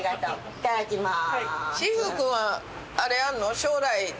いただきます。